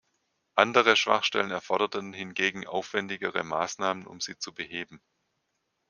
Andere Schwachstellen erforderten hingegen aufwendigere Maßnahmen, um sie zu beheben.